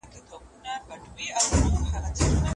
د بزګر لرګی به سم ورته اړم سو